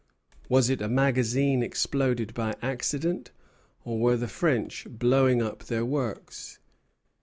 Was it a magazine exploded by accident, or were the French blowing up their works?